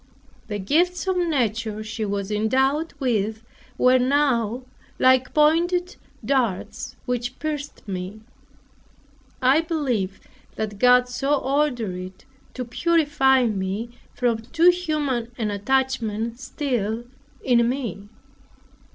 The gifts of nature she was endowed with were now like pointed darts which pierced me. I believe that God so ordered it to purify me from too human an attachment still in me.